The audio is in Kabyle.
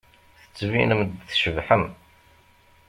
Tettbinem-d tcebḥem.